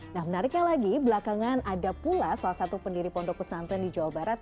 nah menariknya lagi belakangan ada pula salah satu pendiri pondok pesantren di jawa barat